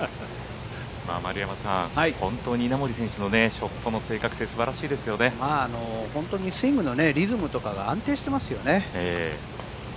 丸山さん、本当に稲森選手のショットの正確性本当にスイングのリズムとかが安定してますよね。